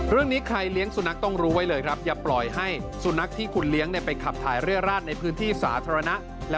เรื่องนี้ใครเลี้ยงสุนัขต้องรู้ไว้เลยครับอย่าปล่อยให้สุนัขที่คุณเลี้ยงไปขับถ่ายเรื่อยราดในพื้นที่สาธารณะ